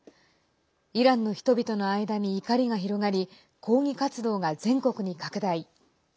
イランの人々の間に怒りが広がり抗議活動が全国に拡大。